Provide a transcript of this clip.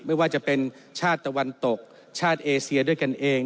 ไม่ว่าจะเป็นชาติตะวันตกชาติเอเซียด้วยกันเอง